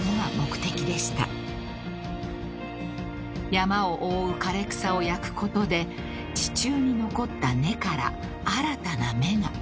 ［山を覆う枯れ草を焼くことで地中に残った根から新たな芽が］